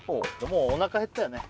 もうおなか減ったよね？